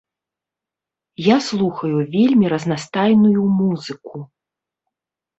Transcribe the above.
Я слухаю вельмі разнастайную музыку.